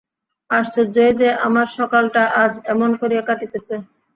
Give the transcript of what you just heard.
আশ্চর্য এই যে, আমার সকালটা আজ এমন করিয়া কাটিতেছে।